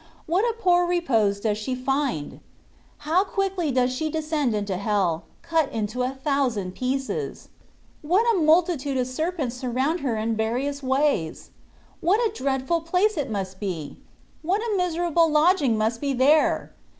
What a poor repose does she find ! How quickly does she descend into hell, cut into a thousand pieces !* What a multitude of serpents surround her in various ways ! What a dreadftd place it must be ! What a miserable lodging must be there